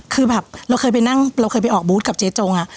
คือแบบเราเคยไปออกบูธกับเจ๊จงอะ